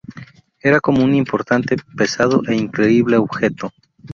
Era como un importante, pesado e increíble objeto.